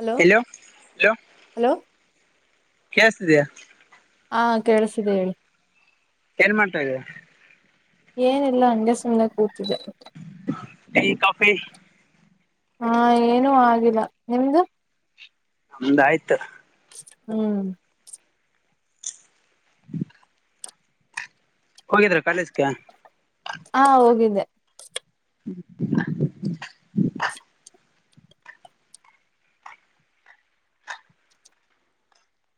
Hello hello hello. [inaudible] Hello ಕೇಳಿಸ್ತಿದ್ಯಾ? [inaudible] ಹಾ ಕೇಳಸಿದೆ ಹೇಳು? [inaudible] ಏನ್ ಮಾಡ್ತಾ ಇದೀಯಾ? [inaudible] ಏನಿಲ್ಲ ಅಂಗೆ ಸುಮ್ನೆ ಕುಂತ್ಹುಇಧೆ. [inaudible] Tea, coffee. [inaudible] ಹಾ ಏನುೂ ಆಗಿಲ್ಲ ನಿಮ್ದು? [inaudible] ನಮ್ದ್ ಆಯ್ತು. [inaudible] ಹ್ಮ್. [inaudible] ಹೋಗಿದ್ರ ಕಾಲೇಜ್ಗೆ? [inaudible] ಹಾ ಹೋಗಿದ್ದೆ. [inaudible] [unintelligible] [inaudible]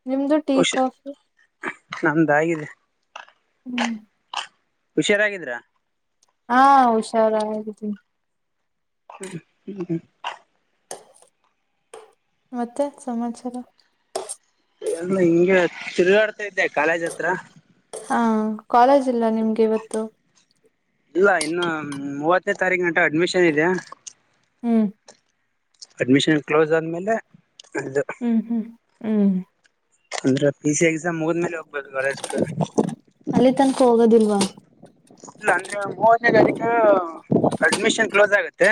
ನಿಮ್ದು ಟೀ ಹುಷ ಕಾಫಿ. [inaudible] ನಮ್ದು ಆಗಿದೆ. [inaudible] ಹ್ಮ್. [inaudible] ಹುಷಾರಾಗಿದ್ರಾ. [inaudible] ಹಾ ಹುಷಾರ ಹಗಿದ್ದೀನಿ. [inaudible] ಹ್ಮ ಹ್ಮ್ ಹ್ಮ್. [inaudible] ಮತ್ತೆ ಸಮಾಚಾರ. ಎಲ್ಲ ಹಿಂಗೆ ತಿರುಗಾಡ್ತಾ ಇದ್ದೆ ಕಾಲೇಜ್ ಹತ್ರ. ಹಾ ಕಾಲೇಜ್ ಇಲ್ಲ ನಿಮ್ಗೆ ಇವತ್ತು. ಇಲ್ಲ ಇನ್ನ ಮೂವತ್ತನೇ ತಾರೀಗಂಟ ಅಡ್ಮಿಷನ್ ಇದೆ. ಹ್ಮ್. ಅಡ್ಮಿಷನ್ ಕ್ಲೋಸ್ ಆದ್ಮೇಲೆ ಅದು. ಹ್ಮ್ ಹ್ಮ್ ಹ್ಮ್. ಅಂದ್ರ ಪಿ ಸಿ ಎಕ್ಸಾಮ್ ಮುಗಿದ್ಮೇಲೆ ಹೋಗ್ಬೇಕ ಕಾಲೇಜಕ್. ಅಲ್ಲಿ ತನಕ ಹೋಗೋದಿಲ್ವಾ. ಇಲ್ಲ ಅಂದ್ರೆ ಮೂವತ್ತನೆ ತಾರೀಕ ಅಡ್ಮಿಷನ್ ಕ್ಲೋಜ ಆಗತ್ತೆ.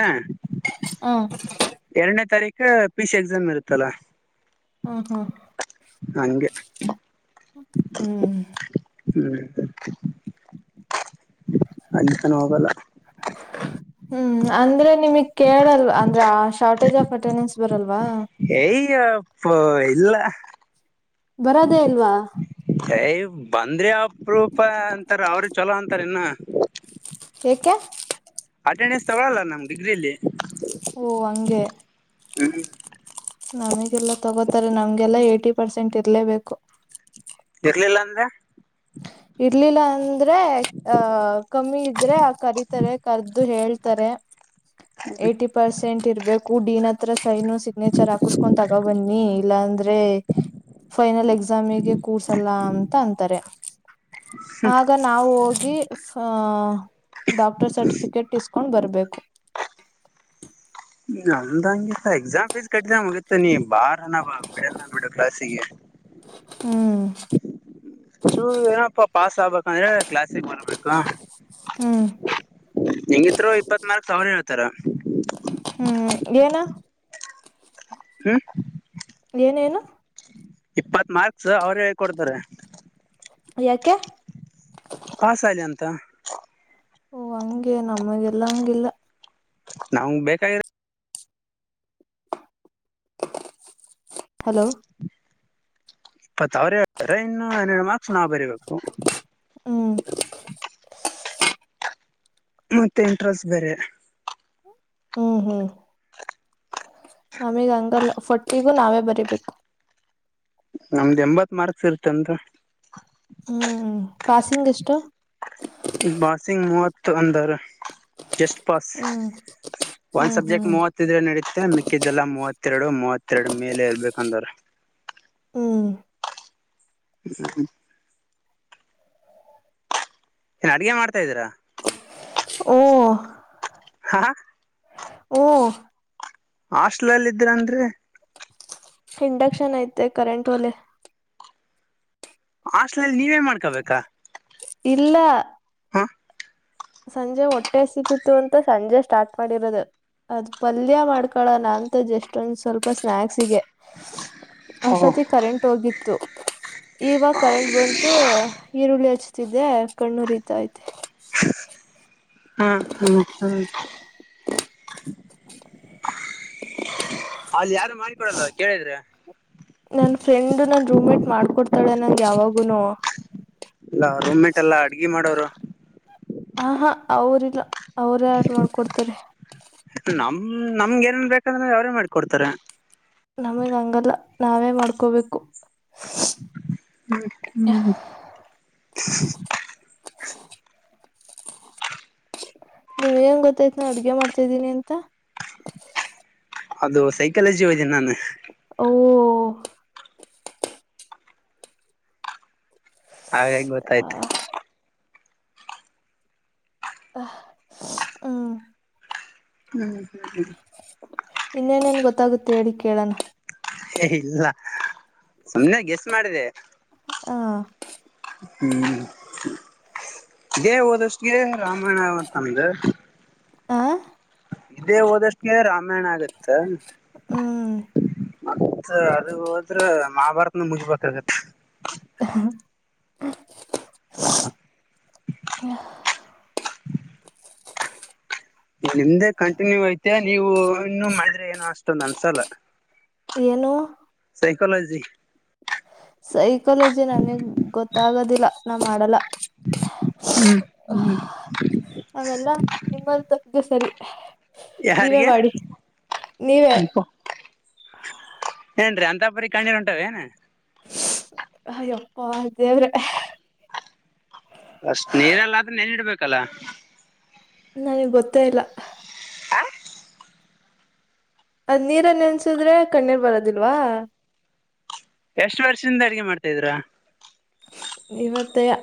ಹ. ಎರಡನೇ ತಾರೀಕ ಪಿ ಸಿ ಎಕ್ಸಾಮ್ ಇರುತ್ತಲ್ಲಾ. ಹ ಹ. ಹಂಗೆ. ಹ್ಮ್ [unintelligible] ಹ್ಮ್ ಅಲ್ಲಿತನ ಹೋಗಲ್ಲ. ಹ್ಮ್ ಅಂದ್ರೆ ನಿಮಗ್ ಕೇಳಲ್ವಾ ಅಂದ್ರೆ ಆ ಶಾರ್ಟೇಜ್ ಆಫ್ ಅಟೆಂಡೆನ್ಸ್ ಬರಲ್ವಾ. ಏಯ್ಯಪ್ಪ ಇಲ್ಲ. ಬರದೇ ಇಲ್ವಾ. ದಯೆ ಬಂದ್ರೆ ಅಪ್ರೂಪ ಅಂತಾರ ಅವ್ರ ಚೊಲೋ ಅಂತಾರಿನ್ನ. ಏಕೆ. ಅಟೆಂಡೆನ್ಸ್ ತಗೊಳಲ್ಲ ನಮ್ ಡಿಗ್ರಿಲ್ಲಿ. ಓ ಹಂಗೆ. ಹ್ಮ್. ನಮಗೆಲ್ಲಾ ತಗೋತಾರೆ ನಮ್ಗೆಲ್ಲಾ ಏಟಿ ಪರ್ಸೆಂಟ್ ಇರ್ಲೇಬೇಕು. ಇರ್ಲಿಲ್ಲಂದ್ರ. ಇರ್ಲಿಲ್ಲ ಅಂದ್ರೆ ಅ ಕಮ್ಮಿ ಇದ್ರೆ ಕರಿತಾರೆ ಕರ್ದು ಹೇಳ್ತಾರೆ. ಏಟಿ. ಪರ್ಸೆಂಟ್ ಇರ್ಬೇಕು ಡಿನ್ ಹತ್ರ ಸೈನು ಸಿಗ್ನೇಚರ್ ಹಾಕುಸ್ಗೊನ್ ತಗೋಬನ್ನಿ ಇಲ್ಲಾಂದ್ರೆ. ಫೈನಲ್ ಎಕ್ಸಾಮಿಗೆ ಕೂರ್ಸಲ್ಲ ಅಂತ ಅಂತಾರೆ. ಆಗ ನಾವು ಹೋಗಿ ಫ ಡಾಕ್ಟರ್ ಸರ್ಟಿಫಿಕೇಟ್ ಇಸ್ಕೊಂಡ್ ಬರ್ಬೇಕು. ಈಗ ಅಂದಂಗಿತ ಎಕ್ಸಾಮ್ ಫೀಸ್ ಕಟ್ದ್ಯ ಮುಗೀತ್ ನೀ ಬಾರನ ಬಾ ಬಿಡನ್ ಬಿಡು ಕ್ಲಾಸಿಗಿ. ಹ್ಮ್ ಚೂರ್ ಏನಪ್ಪಾ ಪಾಸ್ ಆಬೆಕಂದ್ರೆ ಕ್ಲಾಸಿಗ ಬರ್ಬೇಕು. ಹ್ಮ್ ಹೆಂಗಿತ್ರು ಇಪ್ಪತ್ನಾಕ್ ಸಾವ್ರ ಹೇಳ್ತಾರ. ಹ್ಮ್ ಏನ. ಹ್ಮ ಏನೇನು. ಇಪ್ಪತ್ ಮಾರ್ಕ್ಸ್ ಅವ್ರೆ ಕೊಡ್ತರೆ. ಯಾಕೆ. ಪಾಸಾಲಂತ. ಓ ಹಂಗೆ ನಮಗೆಲ್ಲಾ ಹಂಗಿಲ್ಲ. [unintelligible] ಬೇಕಾಗಿ ಹಲೋ ಇಪ್ಪತ್ ಅವ್ರೆ ಹೇಳ್ತರ್ ಇನ್ನು ಹನ್ನೆರಡ ಮಾರ್ಕ್ಸ್ ನಾವ ಬರೀಬೇಕು. ಹ್ಮ್. ಮತ್ತೆ ಇಂಟರ್ನಲ್ಸ್ ಬೇರೆ. ಹ್ಮ್ ಹ್ಮ್ ನಮಿಗ್ ಹಂಗಲ್ಲ ಫಟ್ಟಿಗೂ ನಾವೇ ಬರಿಬೇಕು. ನಮ್ದ್ ಎಂಬತ್ ಮಾರ್ಕ್ಸ್ ಇರುತ್ತಂತೆ. ಹ್ಮ್ ಪಾಸಿಂಗ್ ಎಷ್ಟು. ಪಾಸಿಂಗ್ ಮೂವತ್ತು ಅಂದರ ಜಸ್ಟ್ ಪಸ್ ಹ್ಮ್ ಒನ್ ಹ್ಮ್ ಹ್ಮ್ ಸಬ್ಜೆಕ್ಟ್ ಮೂವತ್ತು. ಹತ್ತಿದ್ರೆ ನಡೀತ್ತೆ ಮಿಕ್ಕಿದ್ದಲ್ಲಾ ಮೂವತ್ತೆರಡು ಮೂವತ್ತೆರಡು ಮೇಲೆ ಇರ್ಬೇಕಂದ್ರ. ಹ್ಮ್ ಹ್ಮ್ ಅಡುಗೆ ಮಾಡ್ತಾಯಿದೀರಾ. ಓ ಹಾ ಹು. ಹಾಸ್ಟ್ಲ್ ಅಲ್ಲಿ ಇದ್ರಂದ್ರೆ. ಇಂಡಕ್ಷನ್ ಐತೆ ಕರೆಂಟ್ ಒಲೆ. ಹಾಸ್ಟ್ಲಲ್ಲಿ ನೀವೇ ಮಾಡ್ಕೋಬೇಕಾ. ಇಲ್ಲ ಹಾ ಸಂಜೆ ಹೊಟ್ಟೆಸತಿತ್ತು ಅಂತ ಸಂಜೆ ಸ್ಟಾರ್ಟ್ ಮಾಡಿರೋದು ಅದ್ ಪಲ್ಯ ಮಾಡ್ಕೊಳ ನಾ ಅಂತ ಎಷ್ಟೊಂದ್ ಸ್ವಲ್ಪ ಸ್ನಾಯಕ್ಸಿಗೆ. ಹ್ಮ ಅಸ್ಟೊತ್ತಿಗೆ ಕರೆಂಟ್ ಹೋಗಿತ್ತು ಈವಾಗ ಕರೆಂಟ್ ಬಂತು ಈರುಳ್ಳಿ ಹಚ್ಚ. ದ್ದೆ ಕಣ್ಣು ಉರಿತೈತೆ. ಹಾ ಹಾ ಹಾ ಅಲ್ಲಿ ಯಾರು ಮಾಡಿಕೊಡಲ್ಲ ಕೇಳಿದ್ರೆ. ನನ್ ಫ್ರೆಂಡ್ ನನ್ ರೂಮಮೇಟ್ ಮಾಡ್ಕೊಡ್ತಾಳೆ ನಂಗೆ ಯಾವಾಗುನು. ಇಲ್ಲ ರೂಮ ಮೇಟ್ ಎಲ್ಲ ಅಡ್ಗೆ ಮಾಡೋರು. ಹ ಹಾ ಅವ್ರಲ್ಲ ಅವ್ರ ಯಾರು ಮಾಡ್ಕೊಡ್ತಾರೆ. ನಮ್ ನಮ್ಗೆ ಏನೇನ್ ಬೇಕಂದ್ರೆ ಅವ್ರೇ ಮಾಡಕೊಡ್ತಾರೆ. ನಮಗ್ ಹಂಗಲ್ಲ ನಾವೇ ಮಾಡ್ಕೋಬೇಕು. ಹ್ಮ್ ಹ್ಮ್. ನಿಮ್ಗೇನ್ ಗೊತ್ತಾಯ್ತ ಅಡುಗೆ ಮಾಡ್ತಾದ್ದೀನಿ ಅಂತ. ಅದು ಸೈಕಾಲಜಿ ಓದೀನಿ ನಾನು. ಓ ಹಾಗಾಗಿ ಗೊತ್ತಾಯ್ತು. ಹಾ. ಹ್ಮ್ ಹ್ಮ್ ಹ್ಮ ಇನ್ನೇನೇನು ಗೊತ್ತಾಗುತ್ತೆ ಹೇಳಿ ಕೇಳಣ. ಏ ಇಲ್ಲ ಸುಮ್ಮ್ನೆ ಗೆಸ್ ಮಾಡಿದೆ ಹಾ. ಹ್ಮ್ ಇದೇ ಓದಷ್ಟಿಗೆ ರಾಮಾಯಣ ಆತದನಂದು. ಹಾ. ಇದೇ ಓದಷ್ಟಕ್ಕೆ ರಾಮಾಯಣ ಆಗತ್ತ. ಹ್ಮ್ ಮತ್ತೆ ಅದು ಓದ್ರೆ ಮಹಾಭಾರತನೆ ಮುಗಬೇಕಾಗತ್ತೆ. ಹಾ ನಿಮ್ದೇ ಕಂಟಿನ್ಯೂ ಐತೆ ನೀವು ಇನ್ನೂ ಮಾಡಿದ್ರೆ ಏನೋ ಅಷ್ಟೊಂದು ಅನ್ಸಲ್ಲ. ಏನು ಸೈಕೊಲಜಿ ಸೈಕಾಲಜಿ ನನಗ್ ಗೊತ್ತಾಗೋದಿಲ್ಲ ನಾ ಮಾಡಲ್ಲ. ಹ್ಮ್ ಹ್ಮ್ ಅವೆಲ್ಲ ನಿಮ್ಮಂತಾವರಿಗೆ ಸರಿ ನೀವೇ ಯಾರಿಗೆ ಮಾಡಿ ನೀವೇ ಏನ್ರೀ ಅಂತಪರಿ ಕಣ್ಣೀರು ಒಂಟೆವೆನೂ. ಅಯ್ಯಪ್ಪ ದೇವ್ರೆ ಅಷ್ಟ್ ನೀರೆಲ್ಲ ಆದ್ರೂ ನೆನ್ ಇಡ್ಬೇಕಲ್ಲ. ನನಗ್ ಗೊತ್ತೇ ಇಲ್ಲ ಆ ಅದ್ ನೀರಲ್ಲಿ ನೆನ್ಸಿದ್ರೆ ಕಣ್ಣೀರ್ ಬರದಿಲ್ವಾ. ಎಷ್ಟು ವರ್ಷದಿಂದ ಅಡುಗೆ ಮಾಡ್ತಿದ್ದೀರಾ. ಇವತ್ತೆಯಾ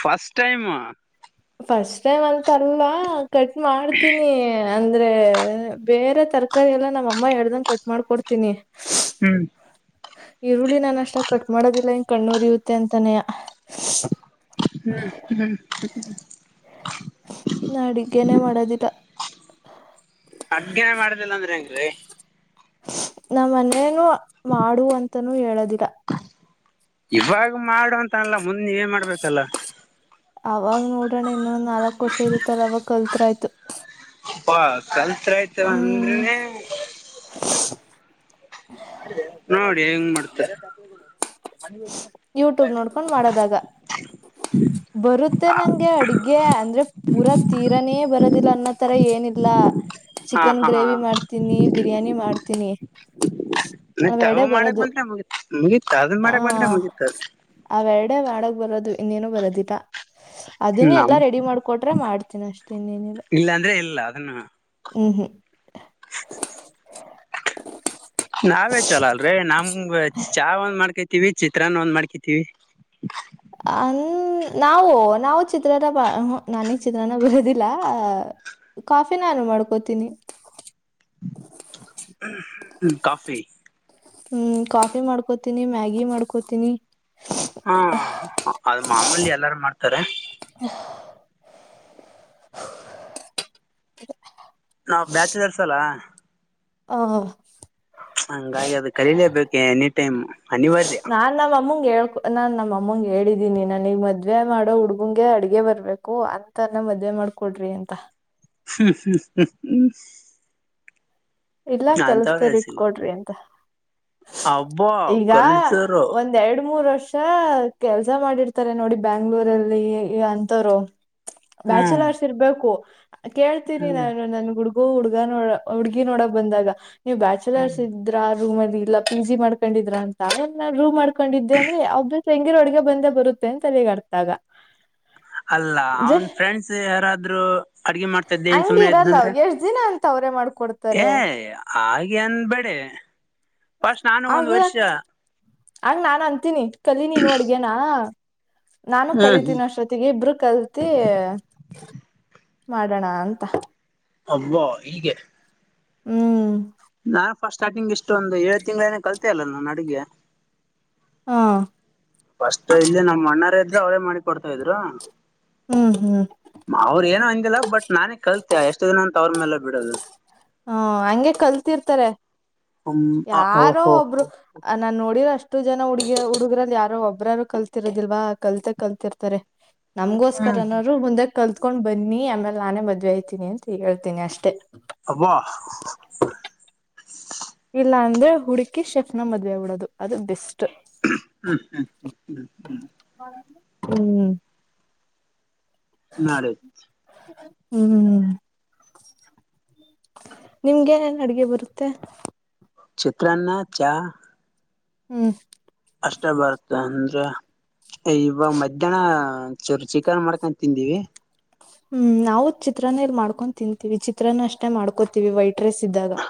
ಫಾಸ್ಟ್ ಟೈಮ್ ಫಸ್ಟ್ ಟೈಮ್ ಅಂತ ಅಲ್ಲ ಕಟ್ ಮಾಡ್ತೀನಿ. ಅಂದ್ರೆ ಬೇರೆ ತರಕಾರಿ ಎಲ್ಲಾ ನಮ್ಮ ಅಮ್ಮ ಹೇಳಿದಂಗ್ ಕಟ್ ಮಾಡ್ಕೊಡ್ತೀನಿ. ಹ್ಮ್ ಈರುಳ್ಳಿ ನಾನು ಅಷ್ಟೊಂದು ಕಟ್ ಮಾಡೋದಿಲ್ಲ ಇಂಗ್ ಕಣ್ಣೂರಿಯುತ್ತೆ ಅಂತಾನೆಯ. ಹ್ಮ್ ಹ್ಮ್ ನಾ ಅಡುಗ್ಗೆನೇ ಮಾಡೋದಿಲ್ಲ. ಅಡಗೆನೆ ಮಾಡೋದಿಲ್ಲ ಅಂದ್ರೆ ಹೆಂಗ್ ರೀ. ನಾ ಮನೇಲ್ಲೂ ಮಾಡು ಅಂತನೂ ಹೇಳೋದಿಲ್ಲ. ಇವಾಗ ಮಾಡು ಅಂತ ಅಲ್ಲ ಮುಂದೆ ನೀವೆ ಮಾಡ್ಬೇಕಲ್ಲ. ಅವಾಗ ನೋಡೋಣ ಇನ್ನೊಂದು ನಾಲ್ಕು ವರ್ಷ ಇರುತ್ತಲ್ಲ ಅವಾಗ ಕಲತ್ತರೇ ಆಯ್ತು‌. ಅ ಕಲ್ತ್ ಆಯ್ತುರೂ ಹ್ಮ್ ಅಂದ್ರನೆ. [inaudible] ನೋಡಿ ಹೆಂಗ್ ಮಾಡುತ್ತಾರೆ. ಯೂಟ್ಯೂಬ್ ನೋಡ್ಕೊಂಡ್ ಮಾಡದಾಗ ಬರುತ್ತೆ ನಂಗೆ ಅಡಗೆ ಅಂದ್ರೆ ಪುರ ತೀರನೇ ಬರೋದಿಲ್ಲ ಅನ್ನೋ ತರ ಏನಿಲ್ಲ. ಹಾ ಹಾ ತೀನಿ ಬಿರಿಯಾನಿ ಮಾಡ್ತೀನಿ. ಮತ್ತ ಅವು ಅವೆಡೆ ಮಾಡಕ್ ಬರೋದು ಬಂದ್ರೆ ಮುಗತ್ ಮುಗೀತು ಅದನ್ ಆ ಮಾಡಾಕ್ ಬಂದ್ರೆ ಮುಗಿತು ಅದು ಅವೆರಡೆ ಮಾಡಕ್ ಬರೋದು ಇನ್ನೇನು ಬರೋದಿಲ್ಲ. ಅದನ್ನೇ ನಮ್ ಎಲ್ಲಾ ರೆಡಿ ಮಾಡ್ಕೊಟ್ರೆ ಮಾಡ್ತೀನಿ ಅಷ್ಟೇ ಇನ್ನೇನಿಲ್ಲ. ಇಲ್ಲಾಂದ್ರೆ ಇಲ್ಲ ಅದನ್ನ ಹ್ಮ್ ನಾವೇ ಚಲೋ ಅಲ್ ರೇ ನಮ್ಮಗ ಚಾ ಒಂದೂ ಮಾಡ್ಕೊಂತೀವಿ ಚಿತ್ರಾನ್ನ ಒಂದು ಮಾಡ್ಕೊಂತೀವಿ. ಅನ್ ನಾವು ನಾವು ಚಿತ್ರಾನ್ನ ನನಗೂ ಚಿತ್ರಾನ್ನ ಬರೋದಿಲ್ಲ. ಕಾಫಿ ನಾನು ಮಾಡ್ಕೋತೀನಿ. ಹ್ಮ ಕಾಫಿ ಹ್ಮ ಕಾಫಿ ಮಾಡ್ಕೊಂತೀನಿ ಮ್ಯಾಗಿ ಮಾಡ್ಕೊಂತೀನಿ. ಹಾ ಅದು ಮಾಮೂಲಿ ಎಲ್ಲಾರು ಮಾಡ್ತಾರೆ. ಹ [unintelligible] [inaudible] [unintelligible] ನಾವು ಬ್ಯಾಚುಲರ್ಸ್ ಅಲ್ಲಾ? [inaudible] ಅವೂ! [inaudible] ಹಂಗಾಗಿ ಅದು ಕಲೀಲೇಬೇಕು! ಎನಿ ಟೈಮ್ ಅನಿವಾರ್ಯ. [inaudible] ಅಲ್ಲ ನಮ್ಮ ಅಮ್ಮಂಗೆ ಹೇಳು ನಾಮಮ್ಮಂಗೆ ಹೇಳಿದ್ದೀನಿ! ನನ್ನಗೆ ಮದುವೆ ಮಾಡೋ ಹುಡುಗನಿಗೆ ಅಡುಗೆ ಬರ್ಬೇಕು? [inaudible] ಇತರ ಮದುವೆ ಮಾಡ್ಕೊಡ್ರಿ ಅಂತ? [inaudible] ಹ್ಮ ಹ್ಮ ಹ್ಮ ಹ್ಮ.. [unintelligible] ಇಲ್ಲ ಅಂತವ್ರೆ ಕೆಲಸದಲಿ ಸಿಗು ಇಟ್ಕೊಡ್ರಿ ಅಂತ? [inaudible] ಅಬ್ಬಾ ಕಲ್ಚರು. [inaudible] ಎರಡಡು ಮೂರು ವರ್ಷ ಕೆಲ್ಸಾ ಮಾಡಿರುತಾರೇ ನೋಡಿ ಬೆಂಗಳೂರಲ್ಲಿ ಅಂತವರು? [inaudible] ಹ್ಮ್ ಬ್ಯಾಚುಲರ್ಸ್ ಇರ್ಬೇಕು! ಕೇಳತ್ತೇನಿ, ಹ್ಮ್ ನಾನು ನನ್ನ, ಹುಡುಗು, ಹುಡಗಾ ಹುಡ್ಗಿ ಛೂ.. [unintelligible] ಏನು ಮಾಡೋಕೆಬಾಂಧಾಗ! ನೀವು ಬ್ಯಾಚಲರ್ಸ್ ಇದು. [inaudible] ಆ ರೂಮ್ ಅಲ್ಲಿ ಇಲ್ಲ! P G. ಮಾಡ್ಕೊಂಡಿದ್ರ ಅಂತ ನಾ ರೂಮ್ ಮಾಡ್ಕೊಂಡಿದ್ದೇ ಅಂದ್ರೆ ಅದು. [inaudible] ತಂಗಿರೊಡ್ಗೆ ಬಂದೇ! ಬರುತ್ತೆ ಅಂತ ಅರ್ಥ ಅವಾಗ? [unintelligible] ಅಲ್ಲ ಅವನ ಫ್ರೆಂಡ್ಸ್ ಯಾರಾದ್ರು? [inaudible] ಅಡ್ಗೆ ಮಾಡ್ತಾತ್ತದೆ! ಏನು ಹಂಗ ಸುಮ್ನೆ ಇರಲ್ಲ ಇದ್ನಂದ್ರೆ ಎಷ್ಟ್ ದಿನ ಅಂತ ಅವ್ರೇ ಏ ಮಾಡ್ಕೊಡ್ತಾರೆ ಹಾಗೆ ಅನ್ಬೇಡಿ? [inaudible] ಪಸ್ಟ್ ನಾನು ಒಂದು ಆಗ ವರ್ಷ? [inaudible] ಆಗ ನಾನು ಅಂತೀನಿ! ಕಲಿ ನೀನು ಅಡ್ಗೇನಾ ನಾನು ಹ್ಮ್ ಕಲಿತೀನಿ ಅಷ್ಟೊತ್ತಿಗೆ. [inaudible] ಅಷ್ಟೊತ್ತಿಗೆ ಇಬ್ರು ಕಲ್ತು! [inaudible] ಮಾಡೋಣಾ ಅಂತ? [inaudible] ಅಬ್ಬಾ ಹೀಗೆ? [inaudible] ಹ್ಮ್. [inaudible] ನಾನು ಪಸ್ಟ್ ಸ್ಟಾರ್ಟಿಂಗ್! ಇಷ್ಟೊಂದು ಏಳು ತಿಂಗಳನೇ ಕಲ್ತೆ ಅಲ್ಲ ನಾನು ಅಡುಗೆ? [inaudible] ಹಾ! [inaudible] ಫಸ್ಟ್ ಇಲ್ಲಿ ನಮ್ಮಣ್ಣಾರೆ ಇದ್ರು! ಅವ್ರೇ ಮಾಡಿ ಕೊಡ್ತಾ ಇದ್ರು. [inaudible] ಹ್ಮ್ ಹ್ಮ್. [inaudible] ಅವ್ರ ಏನೋ ಅಂದಿಲ್ಲಾ! ಬಟ್ ನಾನೇ ಕಲ್ತೆ ಎಷ್ಟು ದಿನ. ಅಂತ ಅವ್ರ ಮೇಲೆ ಬಿಡೋದು? [inaudible] ಹ್ಮ ಹಂಗೆ ಕಲ್ತಿರ್ತಾರೆ! ಹ್ಮ್ ಅ ಓ ಯಾರೋ ಹೋ ಒಬ್ರು. ಹೋ [inaudible] ಆ ನಾನು ನೋಡಿರೋ ಅಷ್ಟು! ಜನ ಹುಡ್ಗಿ ಹುಡುಗ್ರಲ್ಲಿ, ಯಾರೋ, ಒಬ್ಬರಾದಾರು ಕಲ್ತಿರೋದಿಲ್ವಾ ಕಲ್ತೆ ಕಲ್ತಿರ್ತಾರೆ? [inaudible] ಹ್ಮ್ ನಮ್ಗೋಸ್ಕರನರು ಮುಂದೆ! ಕಲ್ತ್ಕೊಂಡ್ ಬನ್ನಿ ಆಮೇಲೆ, ನಾನೇ ಮದುವೆ ಆಯ್ತೇನಿ! ಅಂತ ಹೇಳ್ತೀನಿ ಅಷ್ಟೇ. [inaudible] ಥೇ! [unintelligible] ಹಬ್ಬ! [inaudible] ಇಲ್ಲ ಅಂದ್ರೆ ಹುಡುಕಿ! ಶೆಫ್ನ ಮದ್ವೆ ಆಗ್ಬಿಡೋದು ಅದು ಬೆಸ್ಟ್? [inaudible] [unintelligible] [inaudible] ಹ್ಮ. [inaudible] ನಲಿಧು! [inaudible] ಹ್ಮ್! [unintelligible] ನಿಮಗೆ ಏನೇನು ಅಡುಗೆ ಬರುತ್ತೆ? [inaudible] ಚಿತ್ರಾನ್ನ ಚಾ! [inaudible] ಹ್ಮ್. [inaudible] ಅಷ್ಟೇ ಬರುತ್ತೆ ಅಂದ್ರೆ? [inaudible] ಇವ ಮಧ್ಯಾಹ್ನ! ಚೂರು ಚಿಕನ್ ಮಾಡ್ಕೊಂಡು ತಿಂದಿವಿ. [inaudible] ಹ್ಮ್ ನಾವು ಚಿತ್ರನ ಇರ್ ಮಾಡ್ಕೊಂಡು ತಿಂತೀವಿ. ಚಿತ್ರನ, ಅಷ್ಟೇ ಮಾಡ್ಕೋತಿವಿ! ವೈಟ್ ರ್ರೆಸ್ ಇದ್ದಾಗ. [inaudible]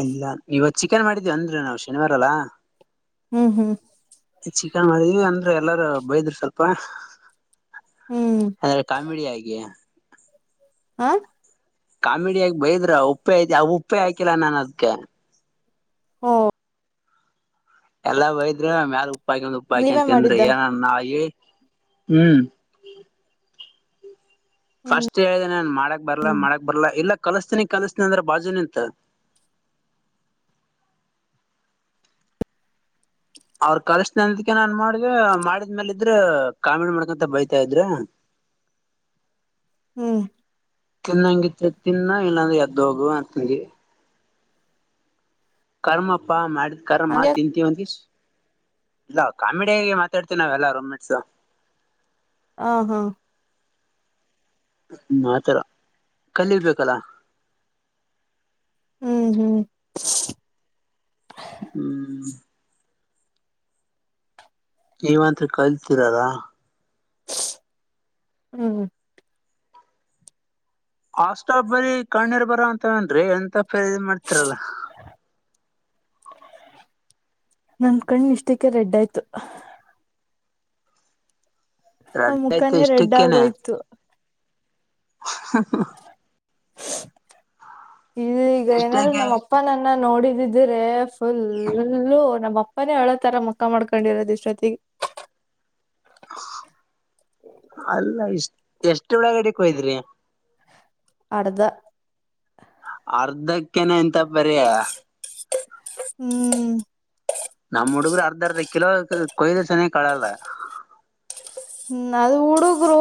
ಇಲ್ಲ ಇವ ಚಿಕನ್ ಮಾಡಿದವಿ! ಅಂದ್ರೆ ನಾವು ಶನಿವಾರ ಅಲ್ಲಾ? [inaudible] ಹ್ಮ್ ಹ್ಮ್. [inaudible] ಚಿಕನ್ನ ಇರಿ ಅಂದ್ರು ಎಲ್ಲಾರೂ ಬೈದ್ರು ಸ್ವಲ್ಪ. ಹ್ಮ್ ಅಂದ್ರೆ ಕಾಮಿಡಿ ಆಗಿ. ಆಹ್ ಕಾಮಿಡಿಯಾಗ್ ಬೈದ್ರು, ಉಪ್ಪೆ ಐತಿ ಅವ್ ಉಪ್ಪೆ ಹಾಕಿಲ್ಲ ನಾನ್ ಅದ್ಕೆ ಹೊ ಎಲ್ಲ ಬೈದ್ರು ಮ್ಯಾಲ್ ಉಪ್ಪ್ ಹಾಕಂಡ್ ಉಪ್ಪ್ ಹಾಕಂಡ್ ನೀವೇ ತಿಂದ್ರು, ಮಾಡಿದ್ದ ಏನ ನಾಯಿ ಹ್ಮ್ ಹ್ಮ್ ಫಸ್ಟ್ ಹೇಳ್ದೆ ನಾನ್ ಮಾಡಕ್ ಬರ್ಲಾ ಮಾಡಕ್ ಬರ್ಲಾ ಇಲ್ಲ ಕಲ್ಸ್ತೀನಿ ಕಲ್ಸ್ತನಿ ಅಂದ್ರೆ ಬಾಜು ನಿಂತು ಅವ್ರ್ ಕಲ್ಸ್ತಿನ್ ಅಂದ್ಕೆ ನಾನ್ ಮಾಡ್ದೆ, ಮಾಡಿದ್ಮೇಲೆ ಇದ್ರೆ ಕಾಮಿಡಿ ಮಾಡ್ಕೊಂತ ಬೈತ ಇದ್ರೆ [unintelligible] ಹ್ಮ್ ತಿನ್ನಂಗಿದ್ದೆ ತಿನ್ನ ಇಲ್ಲಾಂದ್ರೆ ಎದ್ದ್ ಹೋಗು ಅಂತಂಗಿ. ಕರ್ಮಪ್ಪಾ ಮಾಡಿದ್ ಕರ್ಮ ಹಂಗೆ ತಿಂತೀವಂದಿ ಇಲ್ಲ ಕಾಮಿಡಿಯಾಗೆ ಮಾತಾಡ್ತೀವಿ ನಾವೆಲ್ಲ ರೊಮೇಟ್ಸು ಹಾ ಹಾ ಮಾತರ ಕಲಿಬೇಕಲ್ಲಾ. ಹ್ಮ್ ಹ್ಮ್ ಹ್ಮ್ ನೀವಂತು ಕಲ್ತಿರಲ್ಲ ಹ್ಮ್ ಆಷ್ಟಾ ಬರೀ ಕಣ್ಣೀರ್ ಬರ ಅಂತವೇನ್ರಿ ಎಂತ [unintelligible] ಮಾಡ್ತಿರಲ್ಲ ನನ್ ಕಣ್ ಇಷ್ಟಕ್ಕೆ ರೆಡ್ ಆಯ್ತು ಆ ರಜೆ ಆಯ್ತು ಮುಖನೇ ರೆಡ್ ಇಷ್ಟಕ್ಕೇನೆ ಆಗೋಯ್ತು ಹ ಇಲ್ಲ ಈಗ ಏನಾದ್ರು ಎಷ್ಟಕ್ಕೆ ನಮ್ಮಪ್ ಅಪ್ಪ ನನ್ನ ನೋಡಿದಿದ್ರೆ ಫುಲ್ಲೂ ನಮಪ್ಪನೇ ಅಳೋ ತರ ಮುಖ ಮಾಡ್ಕೊಂಡಿರೋದು ಇಷ್ಟೊತ್ತಿಗೆ ಅಲ್ಲ ಇಷ್ಟ್ ಎಷ್ಟ್ ಒಳಗಡೆಕ್ ಓದ್ರಿ ಅರ್ಧ ಅರ್ಧಕ್ಕೆನೆ ಎಂತ ಬರ್ಯ ಹ್ಮ್ ನಮ್ಮ್ ಹುಡುಗ್ರು ಅರ್ಧ ಅರ್ಧ ಕಿಲೋ ಕೊಯ್ದಸನೇ ಕಳಲ್ಲ. ಹ್ಮ ಅದು ಹುಡುಗ್ರು,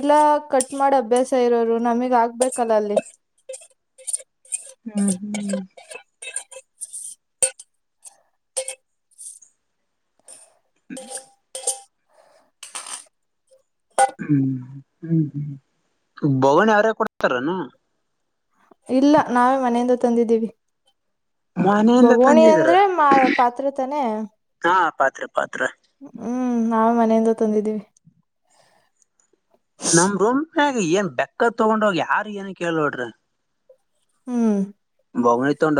ಇಲ್ಲಾ ಕಟ್ ಮಾಡಿ ಅಭ್ಯಾಸ ಇರೋರು ನಮಿಗ್ ಆಗ್ಬೇಕಲ್ಲ ಅಲ್ಲಿ. ಹ್ಮ್ ಹ್ಮ್ ಹ್ಮ್ ಹ್ಮ್ ಹ್ಮ್ ಹ್ಮ್ [unintelligible] ಅವ್ರೇ ಕೊಡ್ತರೇನು? ಇಲ್ಲ ನಾವೇ ಮನೆಯಿಂದ ತಂದಿದೀವಿ. ಮನೆಯಿಂದ ಬಗೋಣಿ ತಂದಿದೀರ ಅಂದ್ರೆ ಮಾ ಪಾತ್ರೆ ತನೇ? ಹಾ ಪಾತ್ರೆ ಪಾತ್ರೆ. ಹ್ಮ್ ನಾವ್ ಮನೆಯಿಂದ ತಂದಿದೀವಿ ನಮ್ ರೂಮ್ನ್ಯಾಗ್ ಏನ್ ಬೆಕ್ಕದ್ ತೊಗೊಂಡ್ ಹೋಗಿ ಯಾರು ಏನು ಕೇಳೋಡ್ರು. ಹ್ಮ್ ಬೊಗ್ಣಿ ತಗೊಂಡ್ ಹೋಗ್